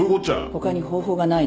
ほかに方法がないの。